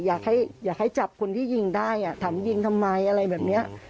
อยากให้จับคนที่ยิงได้ถามยิงทำไมอะไรแบบนี้